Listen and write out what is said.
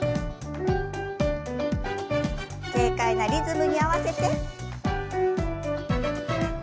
軽快なリズムに合わせて。